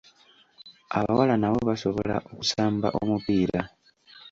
Abawala nabo basobola okusamba omupiira.